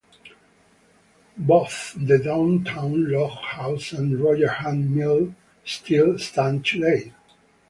Both the Downingtown Log House and the Roger Hunt Mill still stand today.